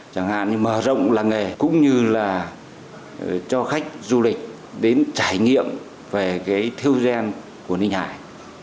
chẳng hạn như mở rộng làng nghề cũng như là cho khách du lịch đến trải nghiệm về cái thư gen của ninh hải